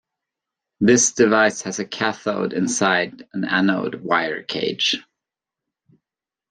This device has a cathode inside an anode wire cage.